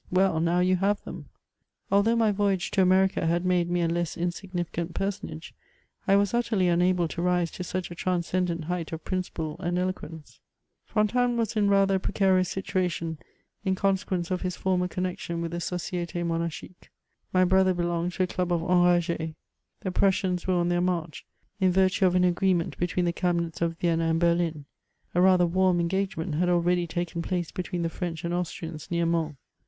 *— Well, now you have them 1" Although my voyage to America had made me a less insignificant personage, I was utterly unable to rise to such a transcendent height of principle and doquence. Fontanes was in rather a precarious situation in consequence of his for mer connexion with the SocietS Monarchique* My brother belonged to a club of enrag6s. The Prussians were on thdr march, in virtue of an agreement between the cabinets of Vienna and Berlin ; a rather warm engagement had already taken place between the French and Austrians near Mona.